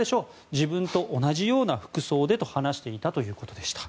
自分と同じような服装でと話していたということです。